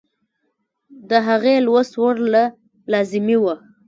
د هغې لوست ورله لازمي وۀ -